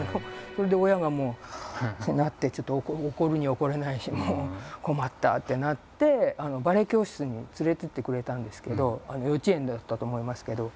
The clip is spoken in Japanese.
それで親がもう「ハァ」ってなってちょっと怒るに怒れないし「もう困った」ってなってバレエ教室に連れてってくれたんですけど幼稚園だったと思いますけど。